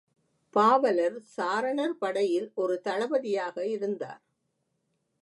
பாவலர் சாரணர் படையில் ஒரு தளபதியாக இருந்தார்.